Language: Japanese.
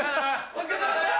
お疲れさまでした！